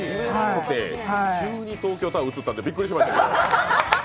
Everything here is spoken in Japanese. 急に東京タワー映ったんでびっくりしました。